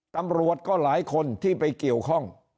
ตำรวจก็หลายคนที่ไปเกี่ยวข้อง